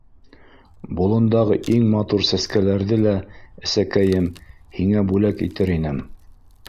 Болондағы иң матур сәскәләрҙе лә, әсәкәйем, һиңә бүләк итер инем.